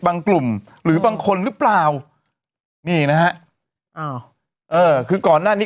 กลุ่มหรือบางคนหรือเปล่านี่นะฮะอ้าวเออคือก่อนหน้านี้